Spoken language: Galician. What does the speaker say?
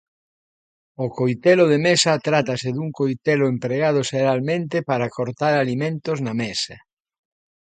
O coitelo de mesa trátase dun coitelo empregado xeralmente para cortar alimentos na mesa.